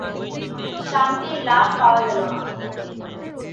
শান্তির লাশও পাওয়া গেল না।